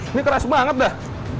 ini keras banget dah